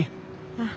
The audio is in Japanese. ああ。